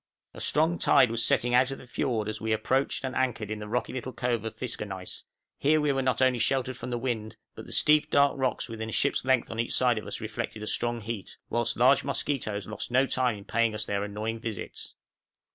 A strong tide was setting out of the fiord, as we approached, and anchored in the rocky little cove of Fiskernaes; here we were not only sheltered from the wind, but the steep dark rocks within a ship's length on each side of us, reflected a strong heat, whilst large mosquitoes lost no time in paying us their annoying visits.